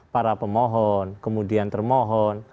para pemohon kemudian termohon